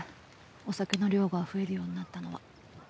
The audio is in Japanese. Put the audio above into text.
お酒の量が増えるようになったのは。